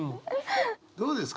どうですか？